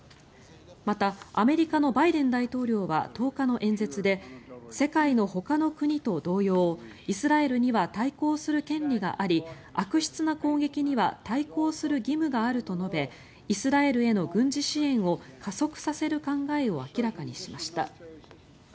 また、アメリカのバイデン大統領は１０日の演説で世界のほかの国と同様イスラエルには対抗する権利があり悪質な攻撃には対抗する義務があると述べイスラエルへの軍事支援を加速させる考えを明らかにしました。